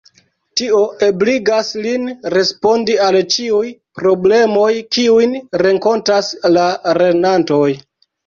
Tio ebligas lin respondi al ĉiuj problemoj kiujn renkontas la lernantoj.